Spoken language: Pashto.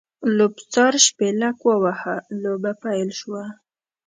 لوبڅار شپېلک ووهه؛ لوبه پیل شوه.